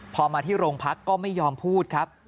พอมาที่โรงพักก็ไม่ยอมพูดครับ